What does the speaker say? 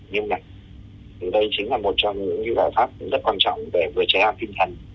nhưng này thì đây chính là một trong những giải pháp rất quan trọng để vừa trẻ hạ phim thần